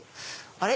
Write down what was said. あれ？